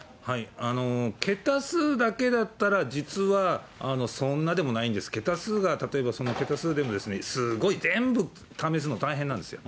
桁数だけだったら、実はそんなでもないんですけど、桁数が、例えばすごい全部試すの大変なんですよ。